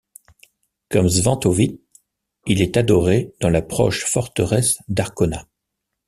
Comme Svantovit, il est adoré dans la proche forteresse d'Arkona.